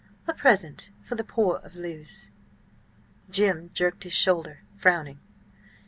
A present for the poor of Lewes." Jim jerked his shoulder, frowning.